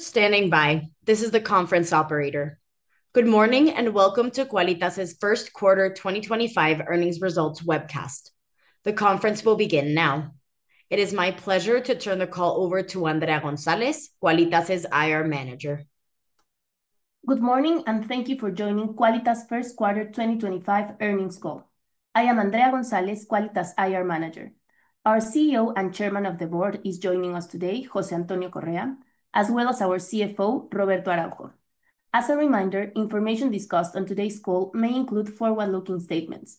Thank you for standing by. This is the conference operator. Good morning and welcome to Qualitas' first quarter 2025 earnings results webcast. The conference will begin now. It is my pleasure to turn the call over to Andrea Gonzalez, Qualitas' IR Manager. Good morning and thank you for joining Qualitas' first quarter 2025 earnings call. I am Andrea Gonzalez, Qualitas IR Manager. Our CEO and Chairman of the Board is joining us today, José Antonio Correa, as well as our CFO, Roberto Araujo. As a reminder, information discussed on today's call may include forward-looking statements.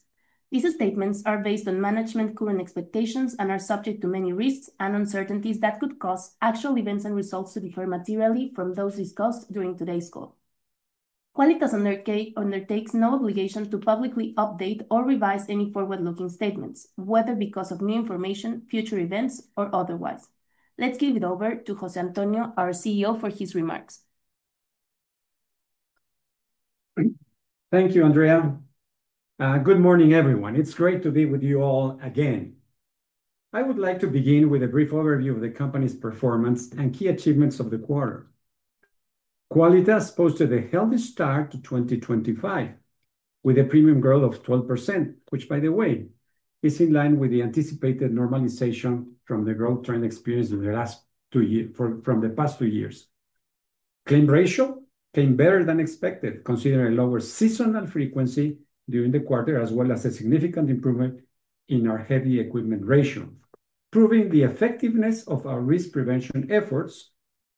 These statements are based on management's current expectations and are subject to many risks and uncertainties that could cause actual events and results to differ materially from those discussed during today's call. Qualitas undertakes no obligation to publicly update or revise any forward-looking statements, whether because of new information, future events, or otherwise. Let's give it over to José Antonio, our CEO, for his remarks. Thank you, Andrea. Good morning, everyone. It's great to be with you all again. I would like to begin with a brief overview of the company's performance and key achievements of the quarter. Qualitas posted a healthy start to 2025 with a premium growth of 12%, which, by the way, is in line with the anticipated normalization from the growth trend experienced in the last two years from the past two years. Claim ratio came better than expected, considering a lower seasonal frequency during the quarter, as well as a significant improvement in our heavy equipment ratio, proving the effectiveness of our risk prevention efforts,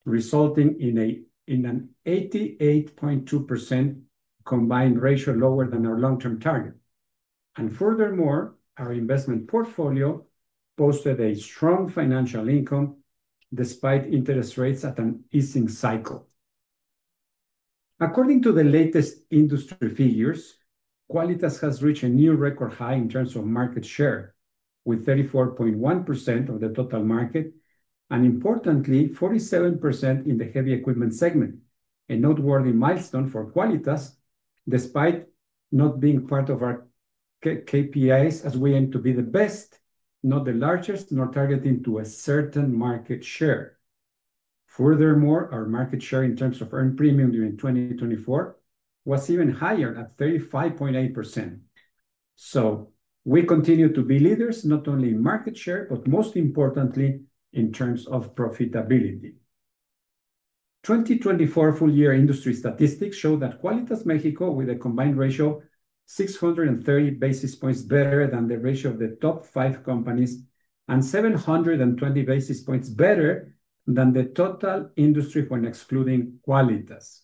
resulting in an 88.2% combined ratio lower than our long-term target. Furthermore, our investment portfolio posted a strong financial income despite interest rates at an easing cycle. According to the latest industry figures, Qualitas has reached a new record high in terms of market share, with 34.1% of the total market and, importantly, 47% in the heavy equipment segment, a noteworthy milestone for Qualitas, despite not being part of our KPIs as we aim to be the best, not the largest, nor targeting to a certain market share. Furthermore, our market share in terms of earned premium during 2024 was even higher at 35.8%. We continue to be leaders, not only in market share, but most importantly, in terms of profitability. 2024 full-year industry statistics show that Qualitas Mexico, with a combined ratio of 630 basis points better than the ratio of the top five companies and 720 basis points better than the total industry when excluding Qualitas.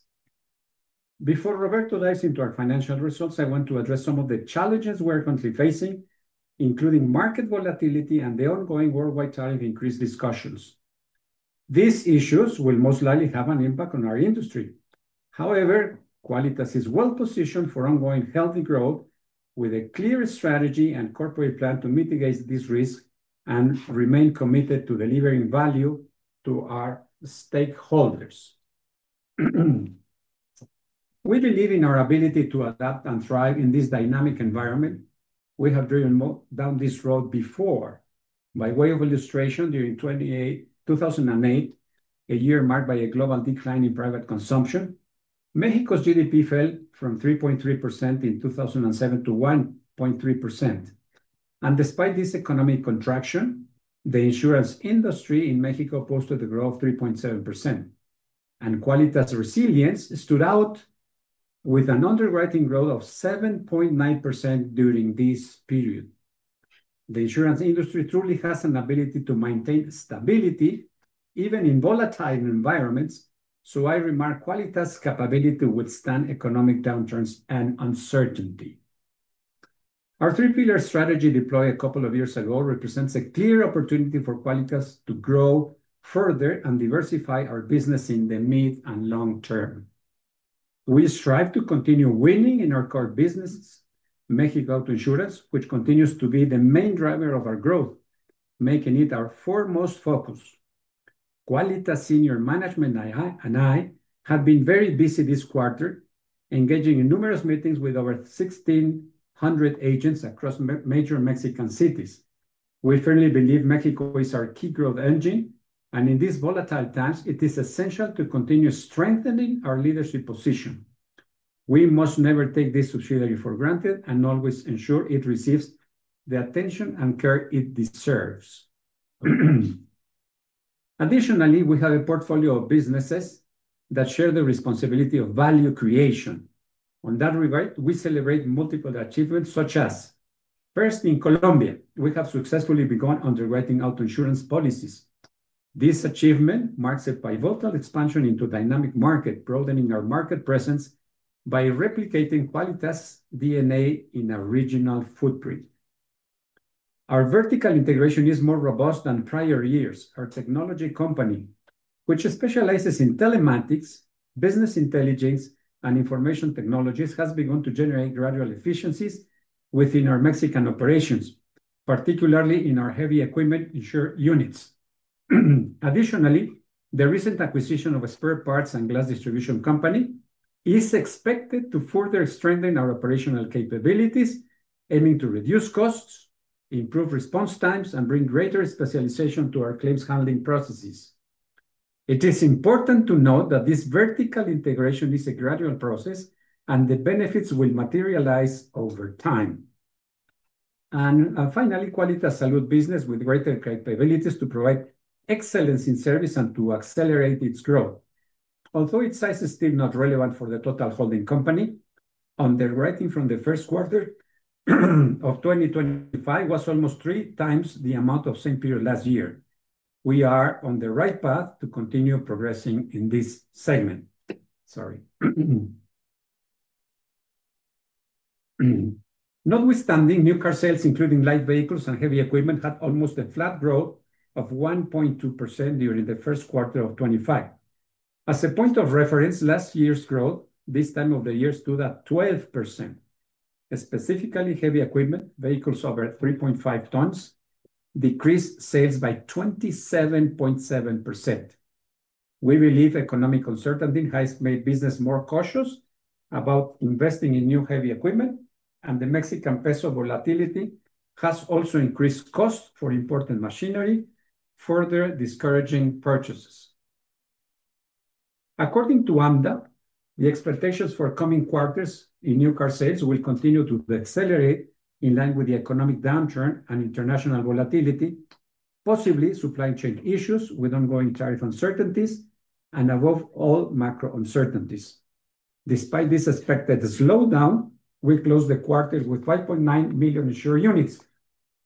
Before Roberto dives into our financial results, I want to address some of the challenges we're currently facing, including market volatility and the ongoing worldwide tariff increase discussions. These issues will most likely have an impact on our industry. However, Qualitas is well-positioned for ongoing healthy growth, with a clear strategy and corporate plan to mitigate this risk and remain committed to delivering value to our stakeholders. We believe in our ability to adapt and thrive in this dynamic environment. We have driven down this road before. By way of illustration, during 2008, a year marked by a global decline in private consumption, Mexico's GDP fell from 3.3% in 2007 to 1.3%. Despite this economic contraction, the insurance industry in Mexico posted a growth of 3.7%. Qualitas' resilience stood out with an underwriting growth of 7.9% during this period. The insurance industry truly has an ability to maintain stability even in volatile environments, so I remark Qualitas' capability to withstand economic downturns and uncertainty. Our three-pillar strategy deployed a couple of years ago represents a clear opportunity for Qualitas to grow further and diversify our business in the mid and long term. We strive to continue winning in our core business, Mexico Auto Insurance, which continues to be the main driver of our growth, making it our foremost focus. Qualitas Senior Management and I have been very busy this quarter, engaging in numerous meetings with over 1,600 agents across major Mexican cities. We firmly believe Mexico is our key growth engine, and in these volatile times, it is essential to continue strengthening our leadership position. We must never take this subsidiary for granted and always ensure it receives the attention and care it deserves. Additionally, we have a portfolio of businesses that share the responsibility of value creation. On that regard, we celebrate multiple achievements such as, first, in Colombia, we have successfully begun underwriting auto insurance policies. This achievement marks a pivotal expansion into a dynamic market, broadening our market presence by replicating Qualitas' DNA in a regional footprint. Our vertical integration is more robust than prior years. Our technology company, which specializes in telematics, business intelligence, and information technologies, has begun to generate gradual efficiencies within our Mexican operations, particularly in our heavy equipment insurer units. Additionally, the recent acquisition of a spare parts and glass distribution company is expected to further strengthen our operational capabilities, aiming to reduce costs, improve response times, and bring greater specialization to our claims handling processes. It is important to note that this vertical integration is a gradual process, and the benefits will materialize over time. Finally, Qualitas's salut business, with greater capabilities to provide excellence in service and to accelerate its growth. Although its size is still not relevant for the total holding company, underwriting from the first quarter of 2025 was almost three times the amount of the same period last year. We are on the right path to continue progressing in this segment. Sorry. Notwithstanding, new car sales, including light vehicles and heavy equipment, had almost a flat growth of 1.2% during the first quarter of 2025. As a point of reference, last year's growth this time of the year stood at 12%. Specifically, heavy equipment vehicles over 3.5 tons decreased sales by 27.7%. We believe economic uncertainty has made business more cautious about investing in new heavy equipment, and the Mexican peso volatility has also increased costs for important machinery, further discouraging purchases. According to AMDA, the expectations for coming quarters in new car sales will continue to accelerate in line with the economic downturn and international volatility, possibly supply chain issues with ongoing tariff uncertainties, and above all, macro uncertainties. Despite this expected slowdown, we closed the quarter with 5.9 million insured units,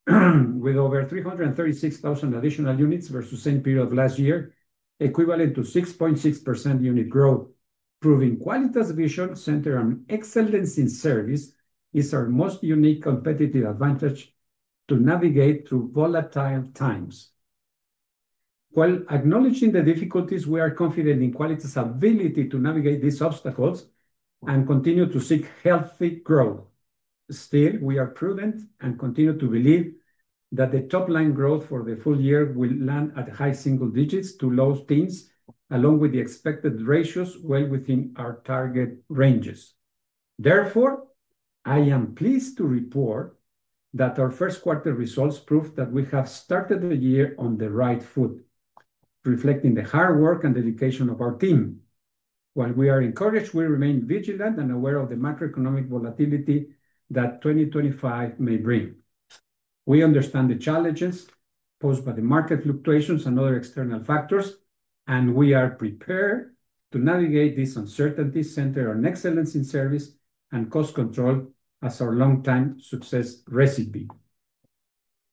with over 336,000 additional units versus the same period of last year, equivalent to 6.6% unit growth, proving Qualitas's vision centered on excellence in service is our most unique competitive advantage to navigate through volatile times. While acknowledging the difficulties, we are confident in Qualitas's ability to navigate these obstacles and continue to seek healthy growth. Still, we are prudent and continue to believe that the top-line growth for the full year will land at high single digits to low teens, along with the expected ratios well within our target ranges. Therefore, I am pleased to report that our first quarter results prove that we have started the year on the right foot, reflecting the hard work and dedication of our team. While we are encouraged, we remain vigilant and aware of the macroeconomic volatility that 2025 may bring. We understand the challenges posed by the market fluctuations and other external factors, and we are prepared to navigate this uncertainty centered on excellence in service and cost control as our long-time success recipe.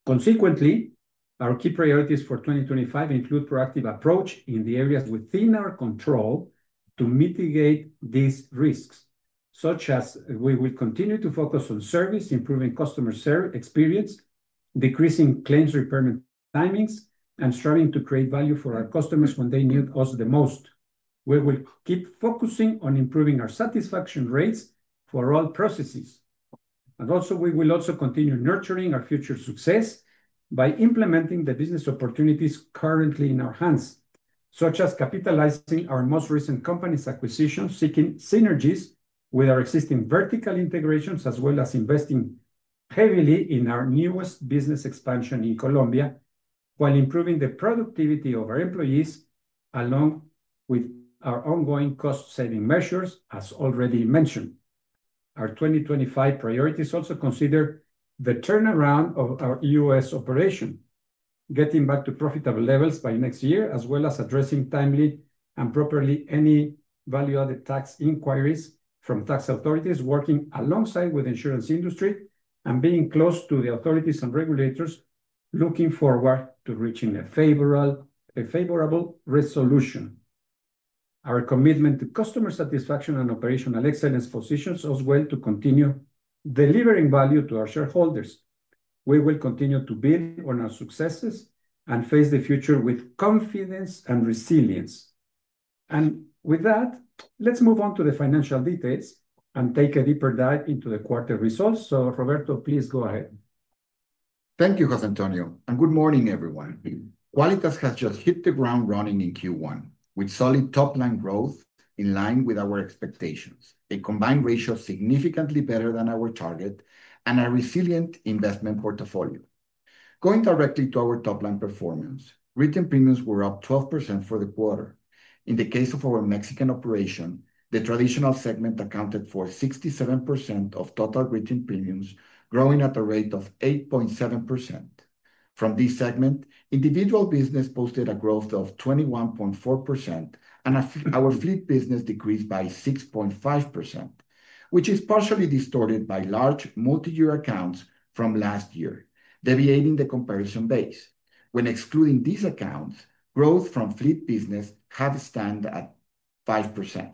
Consequently, our key priorities for 2025 include a proactive approach in the areas within our control to mitigate these risks, such as we will continue to focus on service, improving customer experience, decreasing claims repayment timings, and striving to create value for our customers when they need us the most. We will keep focusing on improving our satisfaction rates for all processes. We will also continue nurturing our future success by implementing the business opportunities currently in our hands, such as capitalizing on our most recent company's acquisition, seeking synergies with our existing vertical integrations, as well as investing heavily in our newest business expansion in Colombia, while improving the productivity of our employees, along with our ongoing cost-saving measures, as already mentioned. Our 2025 priorities also consider the turnaround of our U.S. operation, getting back to profitable levels by next year, as well as addressing timely and properly any value-added tax inquiries from tax authorities, working alongside the insurance industry and being close to the authorities and regulators, looking forward to reaching a favorable resolution. Our commitment to customer satisfaction and operational excellence positions us well to continue delivering value to our shareholders. We will continue to build on our successes and face the future with confidence and resilience. With that, let's move on to the financial details and take a deeper dive into the quarter results. Roberto, please go ahead. Thank you, José Antonio. Good morning, everyone. Qualitas has just hit the ground running in Q1, with solid top-line growth in line with our expectations, a combined ratio significantly better than our target, and a resilient investment portfolio. Going directly to our top-line performance, retained premiums were up 12% for the quarter. In the case of our Mexican operation, the traditional segment accounted for 67% of total retained premiums, growing at a rate of 8.7%. From this segment, individual business posted a growth of 21.4%, and our fleet business decreased by 6.5%, which is partially distorted by large multi-year accounts from last year, deviating the comparison base. When excluding these accounts, growth from fleet business had a stand at 5%.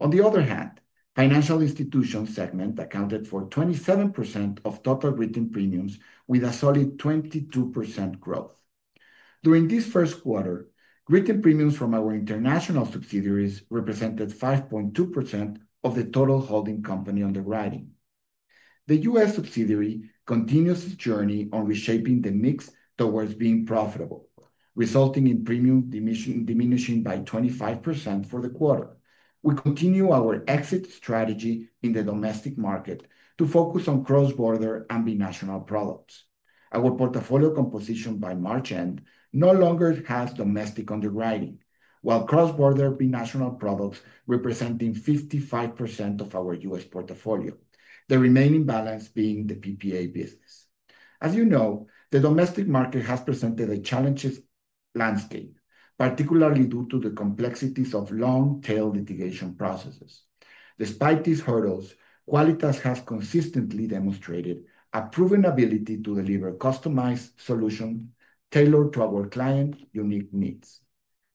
On the other hand, the financial institution segment accounted for 27% of total retained premiums, with a solid 22% growth. During this first quarter, retained premiums from our international subsidiaries represented 5.2% of the total holding company underwriting. The U.S. subsidiary continues its journey on reshaping the mix towards being profitable, resulting in premiums diminishing by 25% for the quarter. We continue our exit strategy in the domestic market to focus on cross-border and binational products. Our portfolio composition by March end no longer has domestic underwriting, while cross-border binational products represent 55% of our U.S. portfolio, the remaining balance being the PPA business. As you know, the domestic market has presented a challenging landscape, particularly due to the complexities of long-tail litigation processes. Despite these hurdles, Qualitas has consistently demonstrated a proven ability to deliver customized solutions tailored to our clients' unique needs.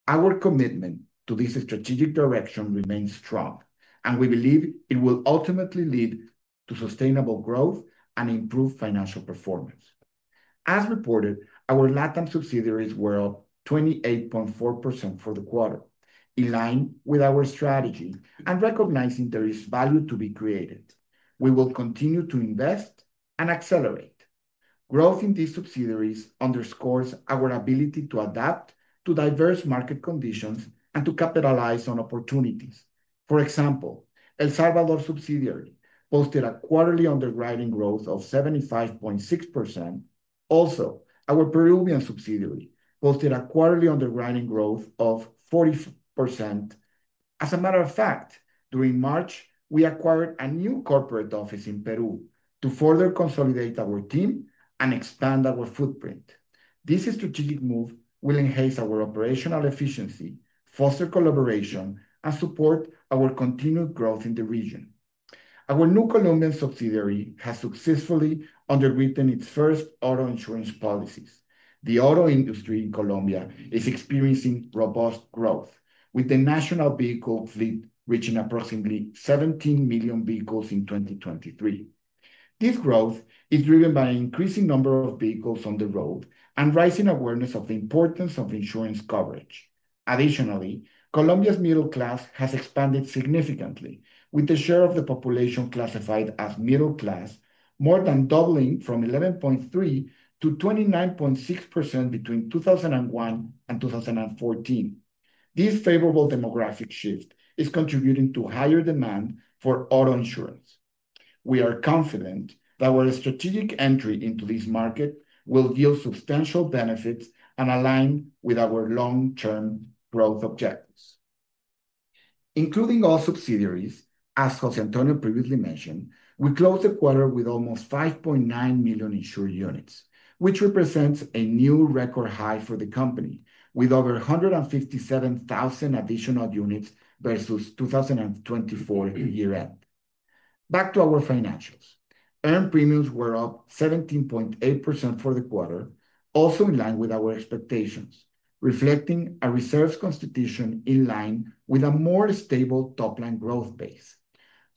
Our commitment to this strategic direction remains strong, and we believe it will ultimately lead to sustainable growth and improved financial performance. As reported, our LATAM subsidiaries were up 28.4% for the quarter, in line with our strategy and recognizing there is value to be created. We will continue to invest and accelerate. Growth in these subsidiaries underscores our ability to adapt to diverse market conditions and to capitalize on opportunities. For example, El Salvador subsidiary posted a quarterly underwriting growth of 75.6%. Also, our Peruvian subsidiary posted a quarterly underwriting growth of 40%. As a matter of fact, during March, we acquired a new corporate office in Peru to further consolidate our team and expand our footprint. This strategic move will enhance our operational efficiency, foster collaboration, and support our continued growth in the region. Our new Colombian subsidiary has successfully underwritten its first auto insurance policies. The auto industry in Colombia is experiencing robust growth, with the national vehicle fleet reaching approximately 17 million vehicles in 2023. This growth is driven by an increasing number of vehicles on the road and rising awareness of the importance of insurance coverage. Additionally, Colombia's middle class has expanded significantly, with the share of the population classified as middle class more than doubling from 11.3% to 29.6% between 2001 and 2014. This favorable demographic shift is contributing to higher demand for auto insurance. We are confident that our strategic entry into this market will yield substantial benefits and align with our long-term growth objectives. Including all subsidiaries, as José Antonio previously mentioned, we closed the quarter with almost 5.9 million insured units, which represents a new record high for the company, with over 157,000 additional units versus 2024 year-end. Back to our financials. Earned premiums were up 17.8% for the quarter, also in line with our expectations, reflecting a reserves constitution in line with a more stable top-line growth base.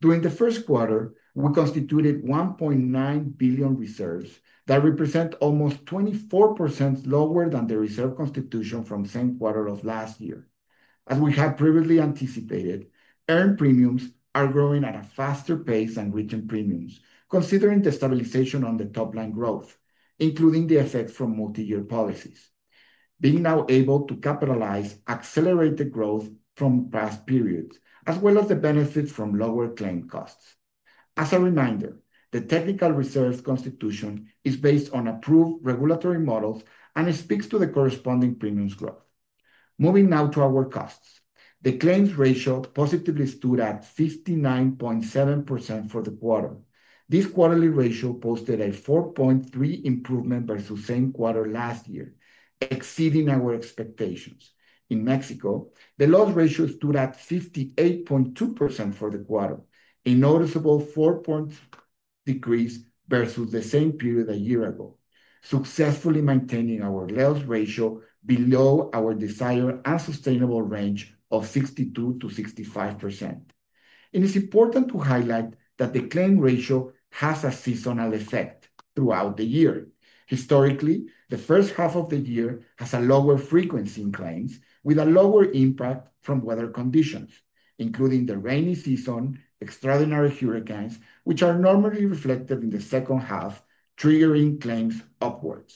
During the first quarter, we constituted 1.9 billion reserves that represent almost 24% lower than the reserve constitution from the same quarter of last year. As we had previously anticipated, earned premiums are growing at a faster pace than retained premiums, considering the stabilization on the top-line growth, including the effects from multi-year policies, being now able to capitalize on accelerated growth from past periods, as well as the benefits from lower claim costs. As a reminder, the technical reserves constitution is based on approved regulatory models and speaks to the corresponding premiums growth. Moving now to our costs. The claims ratio positively stood at 59.7% for the quarter. This quarterly ratio posted a 4.3% improvement versus the same quarter last year, exceeding our expectations. In Mexico, the loss ratio stood at 58.2% for the quarter, a noticeable 4.2% decrease versus the same period a year ago, successfully maintaining our loss ratio below our desired and sustainable range of 62%-65%. It is important to highlight that the claim ratio has a seasonal effect throughout the year. Historically, the first half of the year has a lower frequency in claims, with a lower impact from weather conditions, including the rainy season, extraordinary hurricanes, which are normally reflected in the second half, triggering claims upwards.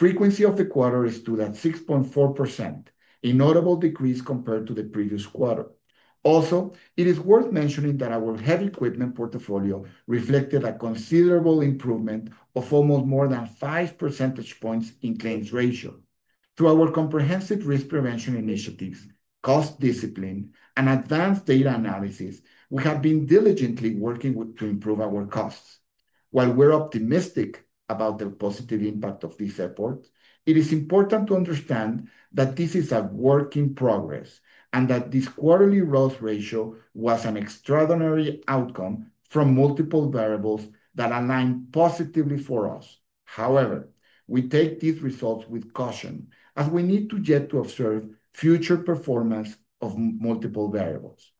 Frequency of the quarter stood at 6.4%, a notable decrease compared to the previous quarter. Also, it is worth mentioning that our heavy equipment portfolio reflected a considerable improvement of almost more than 5 percentage points in claims ratio. Through our comprehensive risk prevention initiatives, cost discipline, and advanced data analysis, we have been diligently working to improve our costs. While we're optimistic about the positive impact of this effort, it is important to understand that this is a work in progress and that this quarterly loss ratio was an extraordinary outcome from multiple variables that align positively for us. However, we take these results with caution, as we need to yet to observe future performance of multiple variables.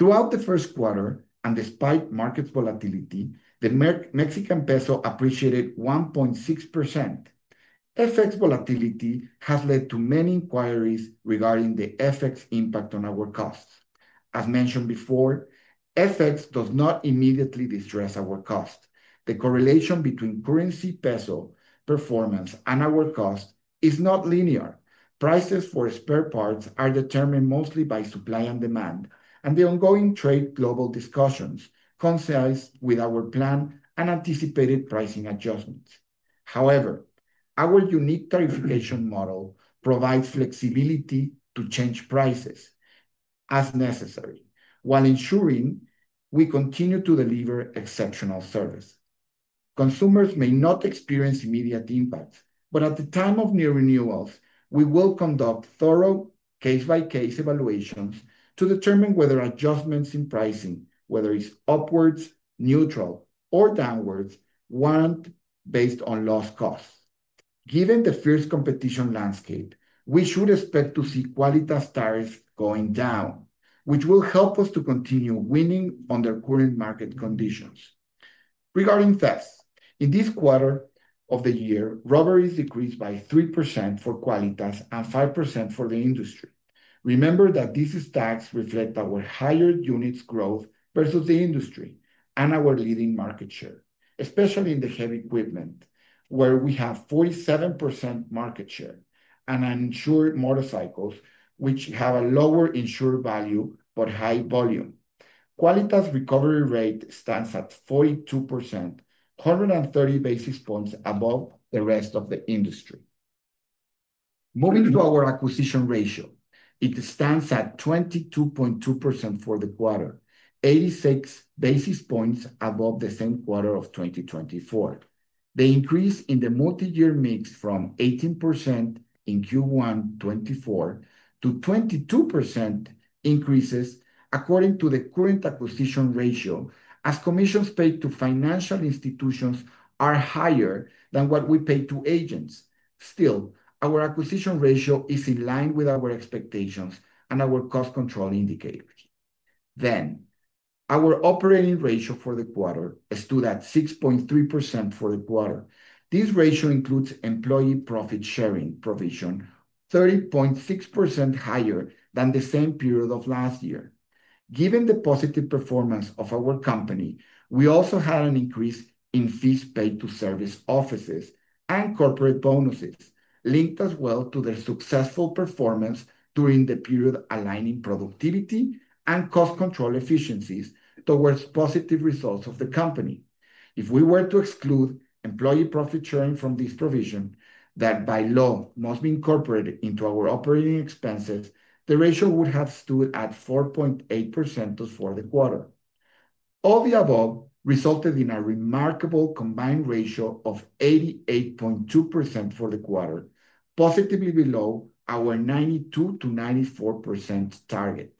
Throughout the first quarter, and despite market volatility, the Mexican peso appreciated 1.6%. FX volatility has led to many inquiries regarding the FX impact on our costs. As mentioned before, FX does not immediately distress our cost. The correlation between currency peso performance and our cost is not linear. Prices for spare parts are determined mostly by supply and demand, and the ongoing trade global discussions coincide with our plan and anticipated pricing adjustments. However, our unique tariffization model provides flexibility to change prices as necessary, while ensuring we continue to deliver exceptional service. Consumers may not experience immediate impacts, but at the time of new renewals, we will conduct thorough case-by-case evaluations to determine whether adjustments in pricing, whether it's upwards, neutral, or downwards, were not based on loss costs. Given the fierce competition landscape, we should expect to see Qualitas tariffs going down, which will help us to continue winning under current market conditions. Regarding FES, in this quarter of the year, robberies decreased by 3% for Qualitas and 5% for the industry. Remember that these stats reflect our higher units growth versus the industry and our leading market share, especially in the heavy equipment, where we have 47% market share, and insured motorcycles, which have a lower insured value but high volume. Qualitas' recovery rate stands at 42%, 130 basis points above the rest of the industry. Moving to our acquisition ratio, it stands at 22.2% for the quarter, 86 basis points above the same quarter of 2024. The increase in the multi-year mix from 18% in Q1 2024 to 22% increases according to the current acquisition ratio, as commissions paid to financial institutions are higher than what we pay to agents. Still, our acquisition ratio is in line with our expectations and our cost control indicators. Our operating ratio for the quarter stood at 6.3% for the quarter. This ratio includes employee profit sharing provision, 30.6% higher than the same period of last year. Given the positive performance of our company, we also had an increase in fees paid to service offices and corporate bonuses, linked as well to their successful performance during the period, aligning productivity and cost control efficiencies towards positive results of the company. If we were to exclude employee profit sharing from this provision that by law must be incorporated into our operating expenses, the ratio would have stood at 4.8% for the quarter. All the above resulted in a remarkable combined ratio of 88.2% for the quarter, positively below our 92%-94% target.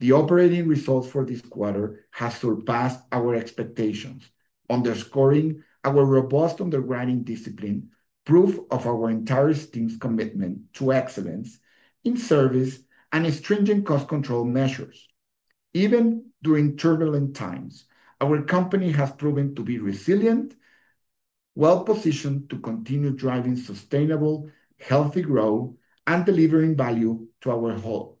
The operating results for this quarter have surpassed our expectations, underscoring our robust underwriting discipline, proof of our entire team's commitment to excellence in service, and stringent cost control measures. Even during turbulent times, our company has proven to be resilient, well-positioned to continue driving sustainable, healthy growth, and delivering value to our whole.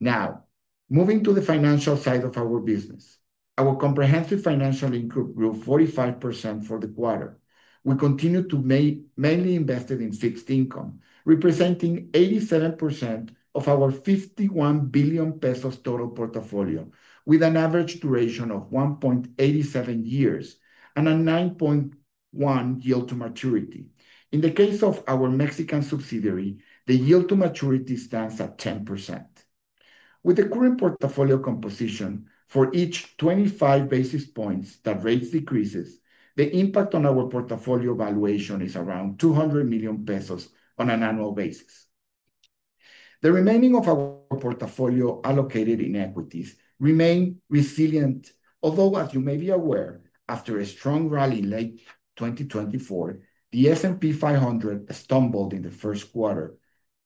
Now, moving to the financial side of our business, our comprehensive financial income grew 45% for the quarter. We continue to mainly invest in fixed income, representing 87% of our 51 billion pesos total portfolio, with an average duration of 1.87 years and a 9.1% yield to maturity. In the case of our Mexican subsidiary, the yield to maturity stands at 10%. With the current portfolio composition, for each 25 basis points that rate decreases, the impact on our portfolio valuation is around 200 million pesos on an annual basis. The remaining of our portfolio allocated in equities remains resilient, although, as you may be aware, after a strong rally in late 2024, the S&P 500 stumbled in the first quarter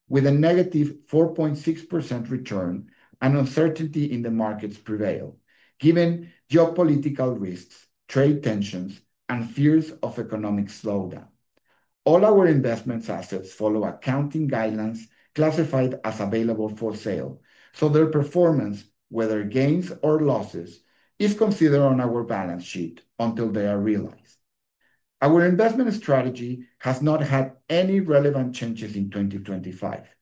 with a negative 4.6% return, and uncertainty in the markets prevailed, given geopolitical risks, trade tensions, and fears of economic slowdown. All our investment assets follow accounting guidelines classified as available for sale, so their performance, whether gains or losses, is considered on our balance sheet until they are realized. Our investment strategy has not had any relevant changes in 2025.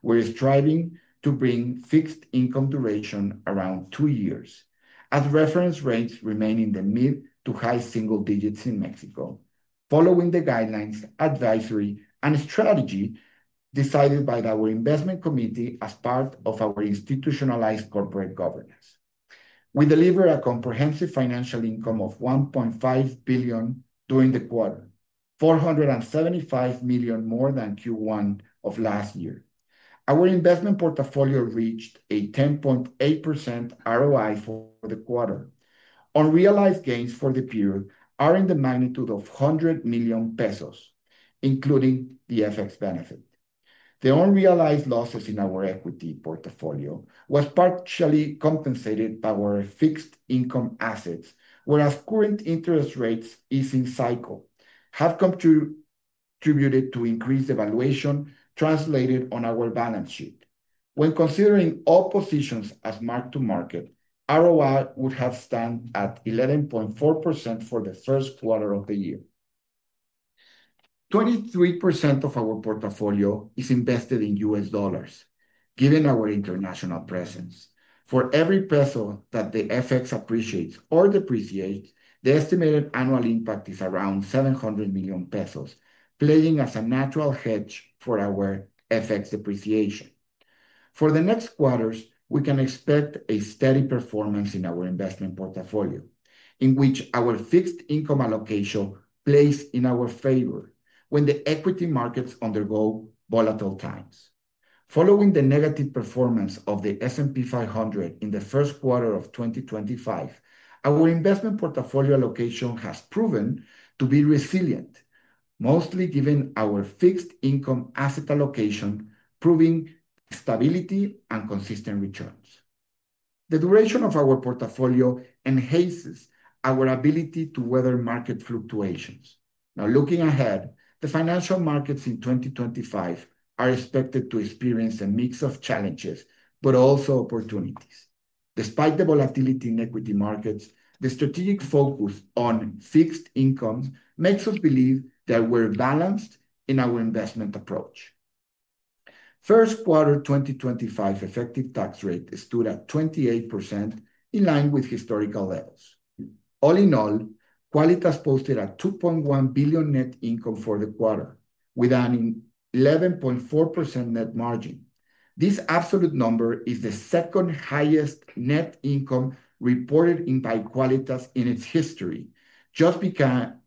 We're striving to bring fixed income duration around two years, as reference rates remain in the mid to high single digits in Mexico, following the guidelines, advisory, and strategy decided by our investment committee as part of our institutionalized corporate governance. We deliver a comprehensive financial income of 1.5 billion during the quarter, 475 million more than Q1 of last year. Our investment portfolio reached a 10.8% ROI for the quarter. Unrealized gains for the period are in the magnitude of 100 million pesos, including the FX benefit. The unrealized losses in our equity portfolio were partially compensated by our fixed income assets, whereas current interest rates in cycle have contributed to increased valuation translated on our balance sheet. When considering all positions as marked to market, ROI would have stood at 11.4% for the first quarter of the year. 23% of our portfolio is invested in U.S. dollars, given our international presence. For every peso that the FX appreciates or depreciates, the estimated annual impact is around 700 million pesos, playing as a natural hedge for our FX depreciation. For the next quarters, we can expect a steady performance in our investment portfolio, in which our fixed income allocation plays in our favor when the equity markets undergo volatile times. Following the negative performance of the S&P 500 in the first quarter of 2025, our investment portfolio allocation has proven to be resilient, mostly given our fixed income asset allocation proving stability and consistent returns. The duration of our portfolio enhances our ability to weather market fluctuations. Now, looking ahead, the financial markets in 2025 are expected to experience a mix of challenges, but also opportunities. Despite the volatility in equity markets, the strategic focus on fixed incomes makes us believe that we're balanced in our investment approach. First quarter 2025 effective tax rate stood at 28%, in line with historical levels. All in all, Qualitas posted a 2.1 billion net income for the quarter, with an 11.4% net margin. This absolute number is the second highest net income reported by Qualitas in its history, just behind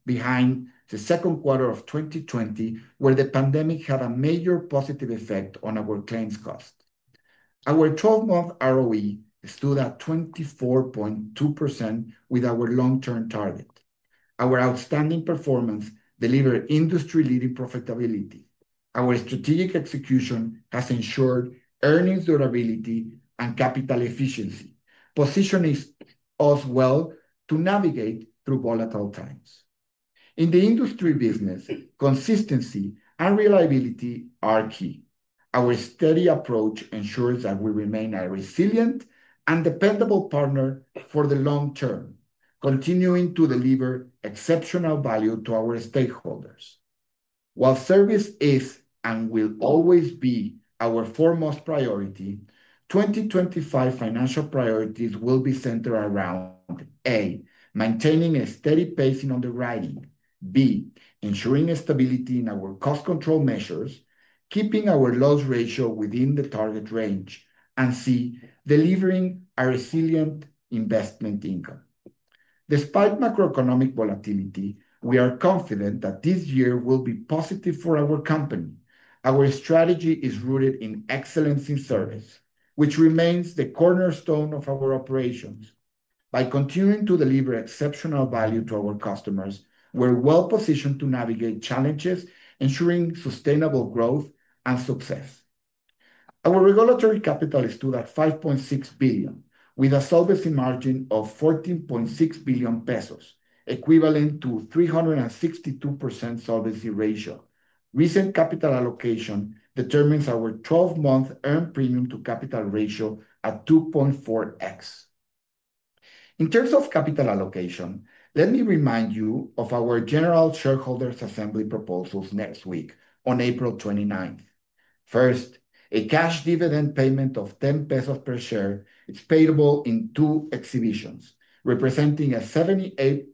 the second quarter of 2020, where the pandemic had a major positive effect on our claims cost. Our 12-month ROE stood at 24.2%, with our long-term target. Our outstanding performance delivered industry-leading profitability. Our strategic execution has ensured earnings durability and capital efficiency, positioning us well to navigate through volatile times. In the industry business, consistency and reliability are key. Our steady approach ensures that we remain a resilient and dependable partner for the long term, continuing to deliver exceptional value to our stakeholders. While service is and will always be our foremost priority, 2025 financial priorities will be centered around: A. Maintaining a steady pace in underwriting. B. Ensuring stability in our cost control measures, keeping our loss ratio within the target range. C. Delivering a resilient investment income. Despite macroeconomic volatility, we are confident that this year will be positive for our company. Our strategy is rooted in excellence in service, which remains the cornerstone of our operations. By continuing to deliver exceptional value to our customers, we're well-positioned to navigate challenges, ensuring sustainable growth and success. Our regulatory capital stood at 5.6 billion, with a solvency margin of 14.6 billion pesos, equivalent to a 362% solvency ratio. Recent capital allocation determines our 12-month earned premium to capital ratio at 2.4x. In terms of capital allocation, let me remind you of our general shareholders' assembly proposals next week on April 29. First, a cash dividend payment of 10 pesos per share is payable in two exhibitions, representing a 78%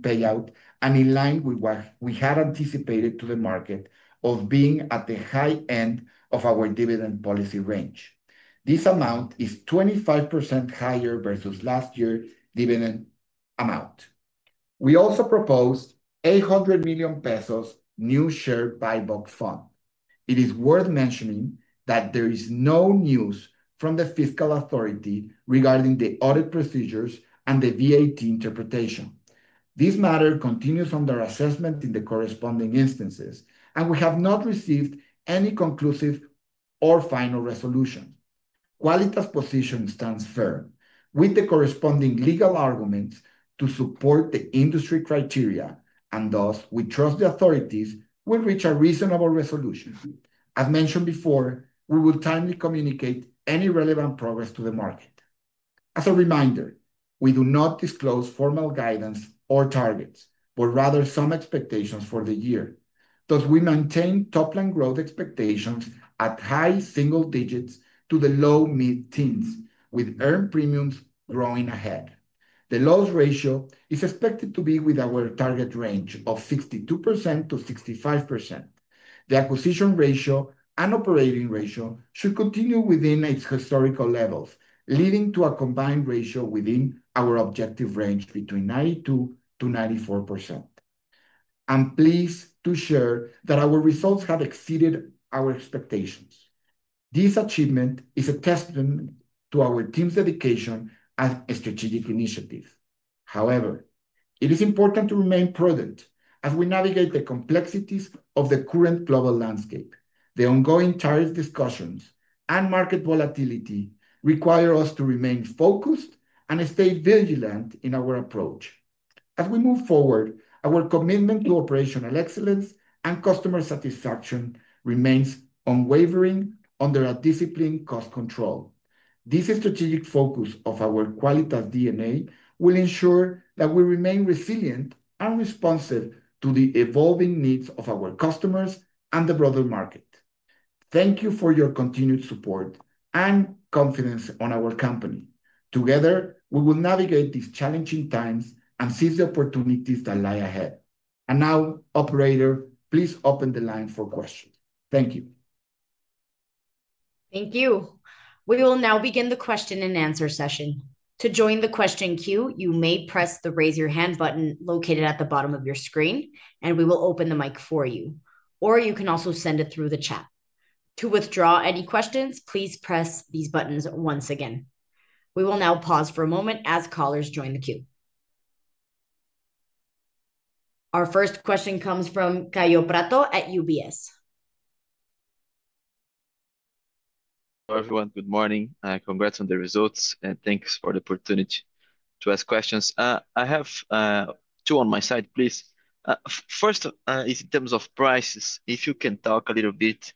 payout and in line with what we had anticipated to the market of being at the high end of our dividend policy range. This amount is 25% higher versus last year's dividend amount. We also proposed 800 million pesos new share buyback fund. It is worth mentioning that there is no news from the fiscal authority regarding the audit procedures and the VAT interpretation. This matter continues under assessment in the corresponding instances, and we have not received any conclusive or final resolution. Qualitas' position stands firm, with the corresponding legal arguments to support the industry criteria, and thus, we trust the authorities will reach a reasonable resolution. As mentioned before, we will timely communicate any relevant progress to the market. As a reminder, we do not disclose formal guidance or targets, but rather some expectations for the year. Thus, we maintain top-line growth expectations at high single digits to the low mid-teens, with earned premiums growing ahead. The loss ratio is expected to be within our target range of 62%-65%. The acquisition ratio and operating ratio should continue within its historical levels, leading to a combined ratio within our objective range between 92%-94%. I'm pleased to share that our results have exceeded our expectations. This achievement is a testament to our team's dedication and strategic initiatives. However, it is important to remain prudent as we navigate the complexities of the current global landscape. The ongoing tariff discussions and market volatility require us to remain focused and stay vigilant in our approach. As we move forward, our commitment to operational excellence and customer satisfaction remains unwavering under a disciplined cost control. This strategic focus of our Qualitas DNA will ensure that we remain resilient and responsive to the evolving needs of our customers and the broader market. Thank you for your continued support and confidence in our company. Together, we will navigate these challenging times and seize the opportunities that lie ahead. Operator, please open the line for questions. Thank you. Thank you. We will now begin the question-and-answer session. To join the question queue, you may press the raise your hand button located at the bottom of your screen, and we will open the mic for you. You can also send it through the chat. To withdraw any questions, please press these buttons once again. We will now pause for a moment as callers join the queue. Our first question comes from Kaio Prato at UBS. Hello, everyone. Good morning. Congrats on the results, and thanks for the opportunity to ask questions. I have two on my side, please. First, in terms of prices, if you can talk a little bit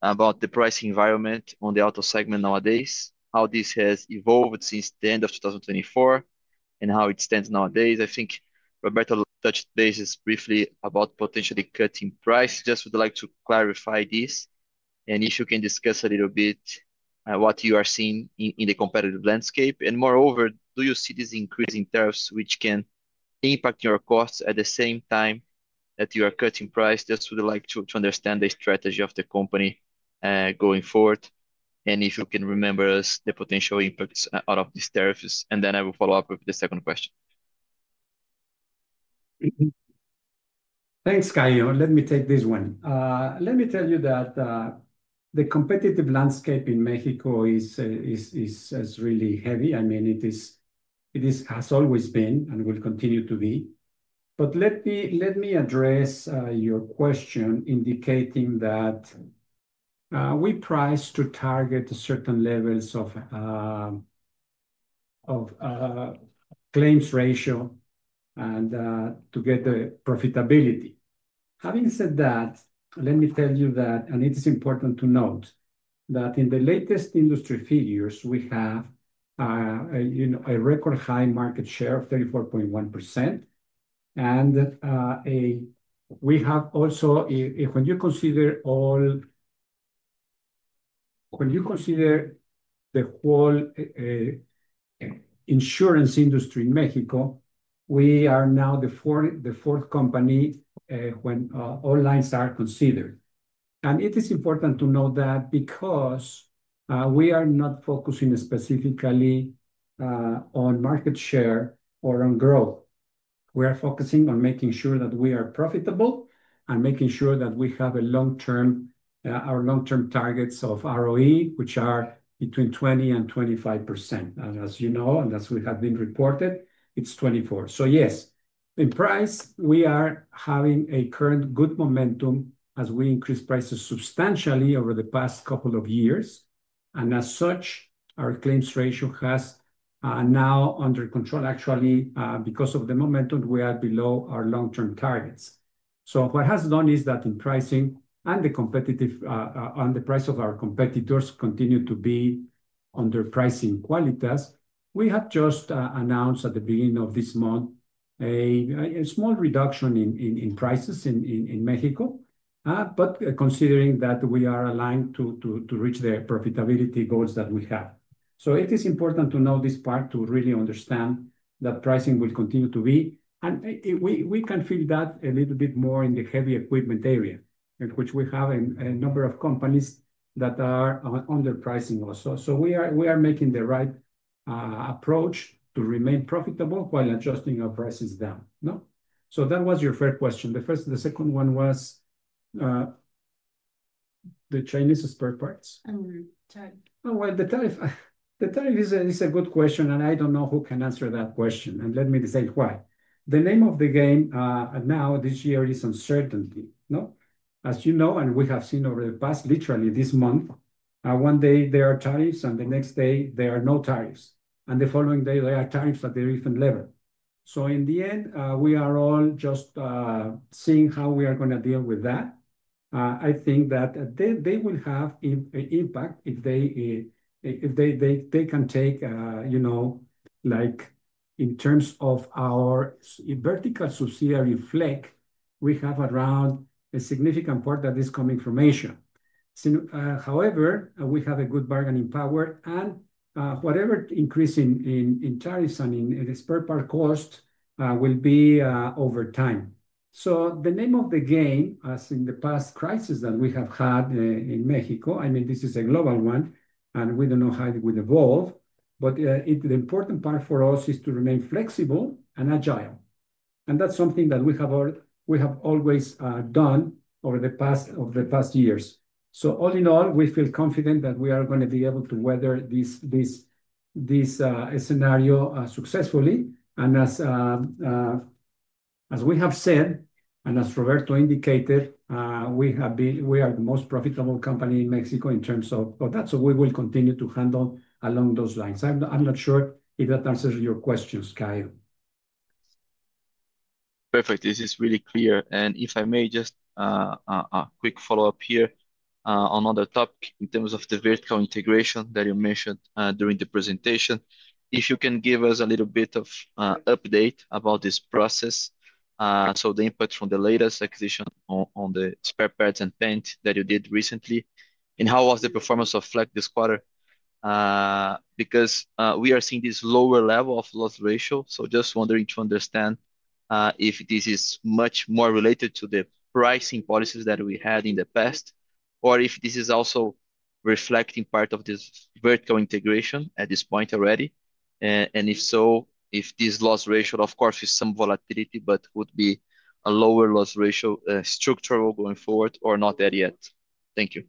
about the price environment on the auto segment nowadays, how this has evolved since the end of 2024, and how it stands nowadays. I think Roberto touched base briefly about potentially cutting price. Just would like to clarify this. If you can discuss a little bit what you are seeing in the competitive landscape. Moreover, do you see these increasing tariffs, which can impact your costs at the same time that you are cutting price? Just would like to understand the strategy of the company going forward. If you can remember the potential impacts out of these tariffs. I will follow up with the second question. Thanks, Kaio. Let me take this one. Let me tell you that the competitive landscape in Mexico is really heavy. I mean, it has always been and will continue to be. Let me address your question indicating that we price to target certain levels of claims ratio and to get the profitability. Having said that, let me tell you that, and it is important to note that in the latest industry figures, we have a record high market share of 34.1%. We have also, when you consider all, when you consider the whole insurance industry in Mexico, we are now the fourth company when all lines are considered. It is important to note that because we are not focusing specifically on market share or on growth. We are focusing on making sure that we are profitable and making sure that we have a long-term, our long-term targets of ROE, which are between 20% and 25%. As you know, and as we have been reported, it's 24%. Yes, in price, we are having a current good momentum as we increase prices substantially over the past couple of years. As such, our claims ratio is now under control. Actually, because of the momentum, we are below our long-term targets. What has happened is that in pricing and the competitive, and the price of our competitors continue to be underpricing Qualitas. We have just announced at the beginning of this month a small reduction in prices in Mexico, but considering that we are aligned to reach the profitability goals that we have. It is important to know this part to really understand that pricing will continue to be. We can feel that a little bit more in the heavy equipment area, in which we have a number of companies that are underpricing also. We are making the right approach to remain profitable while adjusting our prices down. That was your first question. The second one was the Chinese spare parts. Oh, the tariff is a good question, and I don't know who can answer that question. Let me say why. The name of the game now this year is uncertainty. As you know, and we have seen over the past, literally this month, one day there are tariffs and the next day there are no tariffs. The following day there are tariffs at a different level. In the end, we are all just seeing how we are going to deal with that. I think that they will have an impact if they can take, you know, like in terms of our vertical subsidiary Flekk, we have around a significant part that is coming from Asia. However, we have a good bargaining power, and whatever increase in tariffs and in the spare part cost will be over time. The name of the game, as in the past crisis that we have had in Mexico, I mean, this is a global one, and we do not know how it would evolve, but the important part for us is to remain flexible and agile. That is something that we have always done over the past years. All in all, we feel confident that we are going to be able to weather this scenario successfully. As we have said, and as Roberto indicated, we are the most profitable company in Mexico in terms of that. We will continue to handle along those lines. I am not sure if that answers your questions, Kaio. Perfect. This is really clear. If I may, just a quick follow-up here on another topic in terms of the vertical integration that you mentioned during the presentation. If you can give us a little bit of update about this process. The input from the latest acquisition on the spare parts and paint that you did recently, and how was the performance of Flekk this quarter? We are seeing this lower level of loss ratio. Just wondering to understand if this is much more related to the pricing policies that we had in the past, or if this is also reflecting part of this vertical integration at this point already. If so, if this loss ratio, of course, is some volatility, but would be a lower loss ratio structural going forward or not there yet. Thank you.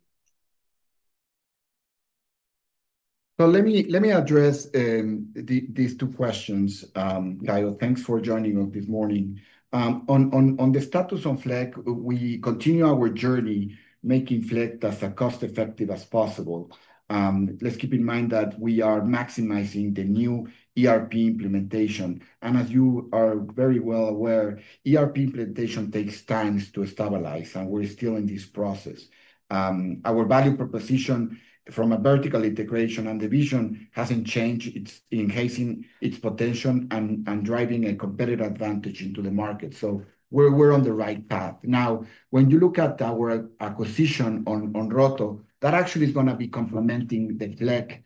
Let me address these two questions. Kaio, thanks for joining us this morning. On the status of Flekk, we continue our journey making Flekk as cost-effective as possible. Let's keep in mind that we are maximizing the new ERP implementation. As you are very well aware, ERP implementation takes time to stabilize, and we're still in this process. Our value proposition from a vertical integration and division hasn't changed. It's enhancing its potential and driving a competitive advantage into the market. We are on the right path. When you look at our acquisition on ROTO, that actually is going to be complementing the Flekk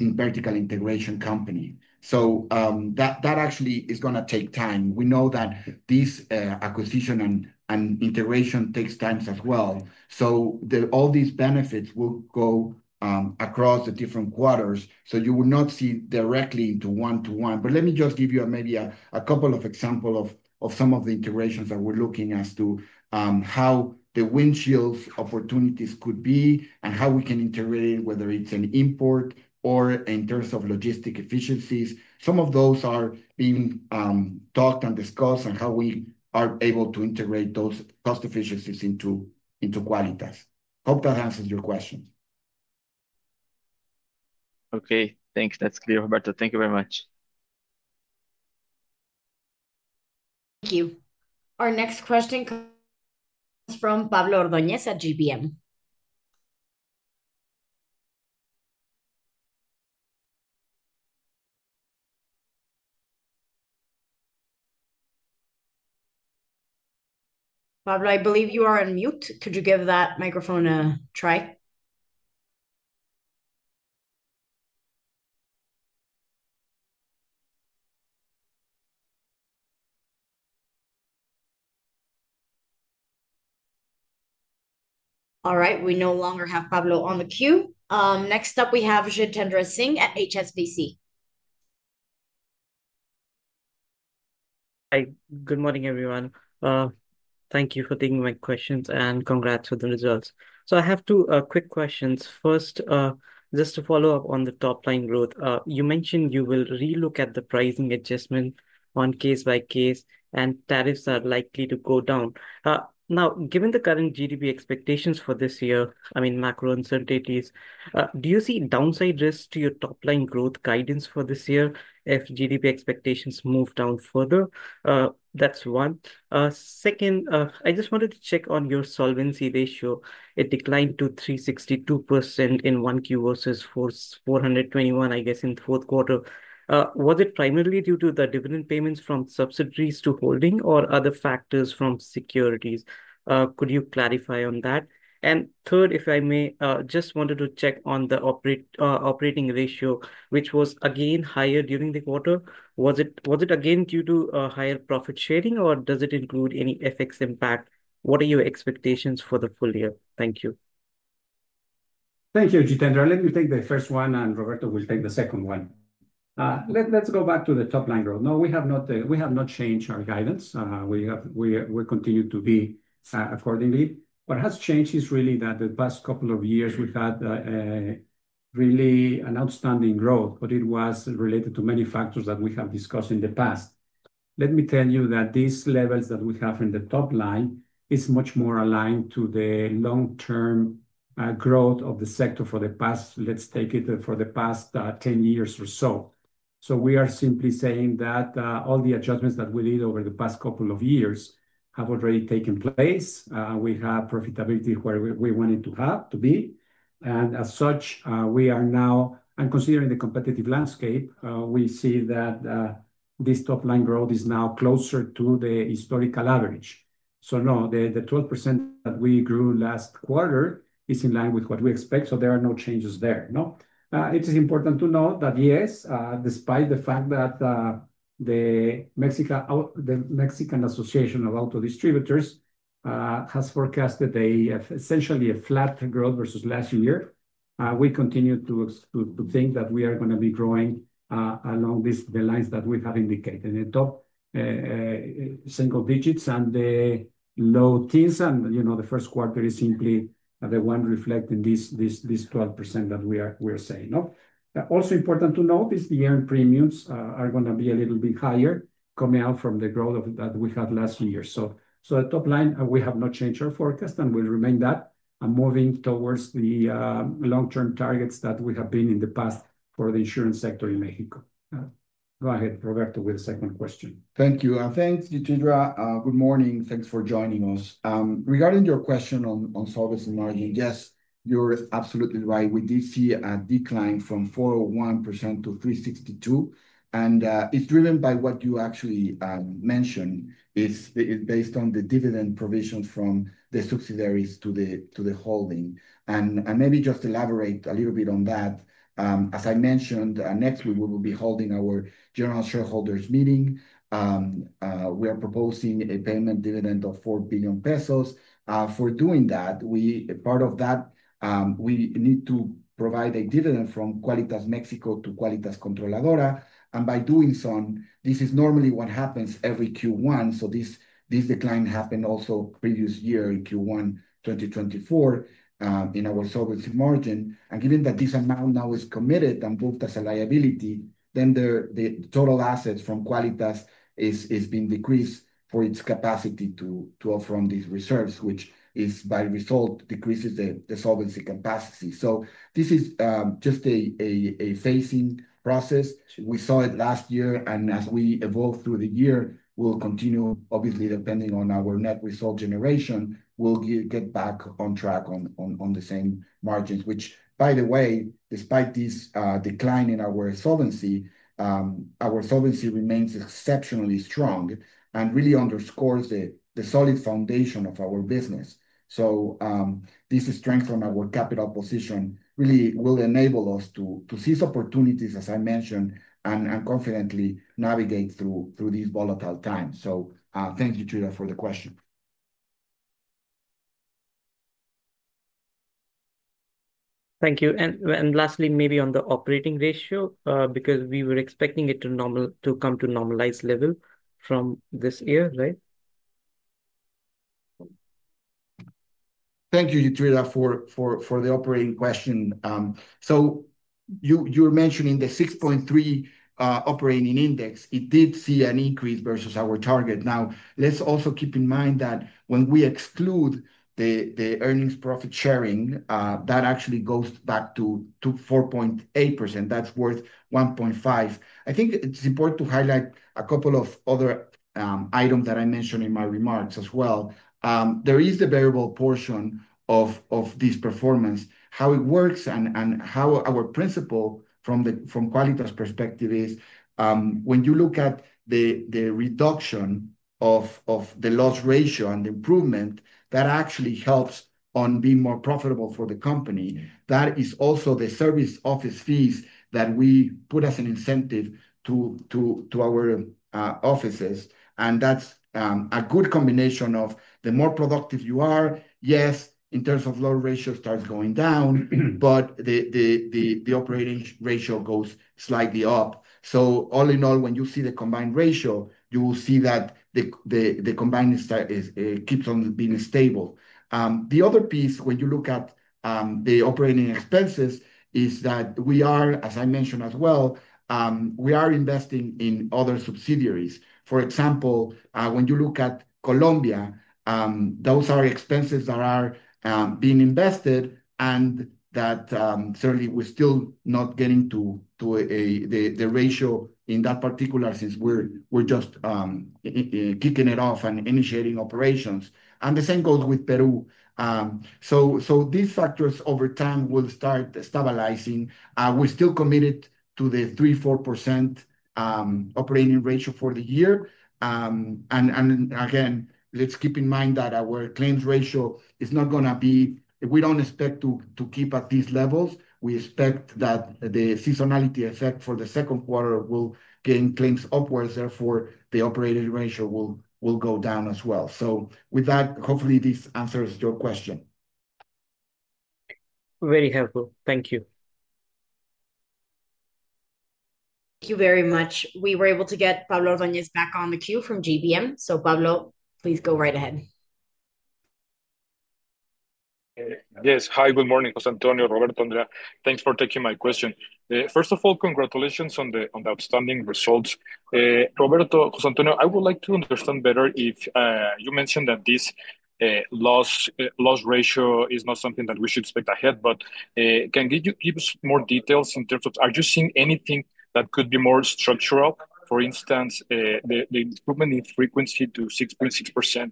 in vertical integration company. That actually is going to take time. We know that this acquisition and integration takes time as well. All these benefits will go across the different quarters. You will not see directly into one-to-one. Let me just give you maybe a couple of examples of some of the integrations that we're looking at as to how the windshield opportunities could be and how we can integrate it, whether it's an import or in terms of logistic efficiencies. Some of those are being talked and discussed and how we are able to integrate those cost efficiencies into Qualitas. Hope that answers your question. Okay. Thanks. That's clear, Roberto. Thank you very much. Thank you. Our next question comes from Pablo Ordóñez at GBM. Pablo, I believe you are on mute. Could you give that microphone a try? All right. We no longer have Pablo on the queue. Next up, we have Jitender Singh at HSBC. Hi. Good morning, everyone. Thank you for taking my questions and congrats for the results. I have two quick questions. First, just to follow up on the top-line growth, you mentioned you will relook at the pricing adjustment on case by case, and tariffs are likely to go down. Now, given the current GDP expectations for this year, I mean, macro uncertainties, do you see downside risks to your top-line growth guidance for this year if GDP expectations move down further? That's one. Second, I just wanted to check on your solvency ratio. It declined to 362% in 1Q versus 421%, I guess, in the fourth quarter. Was it primarily due to the dividend payments from subsidies to holding or other factors from securities? Could you clarify on that? Third, if I may, just wanted to check on the operating ratio, which was again higher during the quarter. Was it again due to higher profit sharing, or does it include any FX impact? What are your expectations for the full year? Thank you. Thank you, Jitender. Let me take the first one, and Roberto will take the second one. Let's go back to the top-line growth. No, we have not changed our guidance. We continue to be accordingly. What has changed is really that the past couple of years, we've had really an outstanding growth, but it was related to many factors that we have discussed in the past. Let me tell you that these levels that we have in the top line are much more aligned to the long-term growth of the sector for the past, let's take it for the past 10 years or so. We are simply saying that all the adjustments that we did over the past couple of years have already taken place. We have profitability where we want it to be. As such, we are now, and considering the competitive landscape, we see that this top-line growth is now closer to the historical average. No, the 12% that we grew last quarter is in line with what we expect. There are no changes there. It is important to note that, yes, despite the fact that the Mexican Association of Auto Distributors has forecasted essentially a flat growth versus last year, we continue to think that we are going to be growing along the lines that we have indicated in the top single digits and the low teens. The first quarter is simply the one reflecting this 12% that we are saying. Also important to note is the earned premiums are going to be a little bit higher coming out from the growth that we had last year. The top line, we have not changed our forecast and will remain that, and moving towards the long-term targets that we have been in the past for the insurance sector in Mexico. Go ahead, Roberto, with the second question. Thank you. Thanks, Jitender. Good morning. Thanks for joining us. Regarding your question on solvency margin, yes, you're absolutely right. We did see a decline from 401% to 362%. It is driven by what you actually mentioned. It is based on the dividend provisions from the subsidiaries to the holding. Maybe just elaborate a little bit on that. As I mentioned, next week we will be holding our general shareholders' meeting. We are proposing a payment dividend of 4 billion pesos. For doing that, part of that, we need to provide a dividend from Qualitas Mexico to Qualitas Controladora. By doing so, this is normally what happens every Q1. This decline happened also previous year in Q1 2024 in our solvency margin. Given that this amount now is committed and booked as a liability, then the total assets from Qualitas have been decreased for its capacity to offer on these reserves, which as a result decreases the solvency capacity. This is just a phasing process. We saw it last year, and as we evolve through the year, we'll continue, obviously, depending on our net result generation, we'll get back on track on the same margins, which, by the way, despite this decline in our solvency, our solvency remains exceptionally strong and really underscores the solid foundation of our business. This strength from our capital position really will enable us to seize opportunities, as I mentioned, and confidently navigate through these volatile times. Thank you, Jitender, for the question. Thank you. Lastly, maybe on the operating ratio, because we were expecting it to come to normalized level from this year, right? Thank you, Jitender, for the operating question. You were mentioning the 6.3 operating index. It did see an increase versus our target. Now, let's also keep in mind that when we exclude the earnings profit sharing, that actually goes back to 4.8%. That's worth 1.5. I think it's important to highlight a couple of other items that I mentioned in my remarks as well. There is the variable portion of this performance, how it works, and how our principle from Qualitas' perspective is when you look at the reduction of the loss ratio and the improvement, that actually helps on being more profitable for the company. That is also the service office fees that we put as an incentive to our offices. That is a good combination of the more productive you are, yes, in terms of low ratio starts going down, but the operating ratio goes slightly up. All in all, when you see the combined ratio, you will see that the combined keeps on being stable. The other piece, when you look at the operating expenses, is that we are, as I mentioned as well, we are investing in other subsidiaries. For example, when you look at Colombia, those are expenses that are being invested, and that certainly we are still not getting to the ratio in that particular since we are just kicking it off and initiating operations. The same goes with Peru. These factors over time will start stabilizing. We are still committed to the 3%-4% operating ratio for the year. Again, let's keep in mind that our claims ratio is not going to be, we don't expect to keep at these levels. We expect that the seasonality effect for the second quarter will gain claims upwards. Therefore, the operating ratio will go down as well. Hopefully this answers your question. Very helpful. Thank you. Thank you very much. We were able to get Pablo Ordóñez back on the queue from GBM. Pablo, please go right ahead. Yes. Hi, good morning, José Antonio, Roberto. Thanks for taking my question. First of all, congratulations on the outstanding results. Roberto, José Antonio, I would like to understand better if you mentioned that this loss ratio is not something that we should expect ahead, but can you give us more details in terms of are you seeing anything that could be more structural? For instance, the improvement in frequency to 6.6%